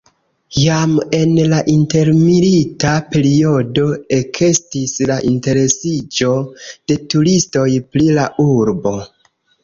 Jam en la intermilita periodo ekestis la interesiĝo de turistoj pri la urbo.